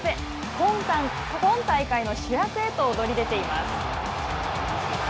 今大会の主役へと躍り出ています。